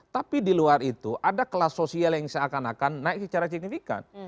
tapi di luar itu ada kelas sosial yang seakan akan naik secara signifikan